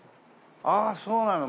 あっそうなの。